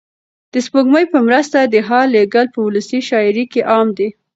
د سپوږمۍ په مرسته د حال لېږل په ولسي شاعرۍ کې عام دي.